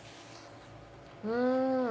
うん。